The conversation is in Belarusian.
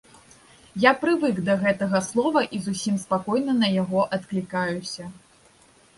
Я прывык да гэтага слова і зусім спакойна на яго адклікаюся.